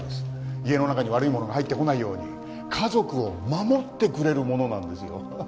家の中に悪いものが入ってこないように家族を守ってくれるものなんですよ。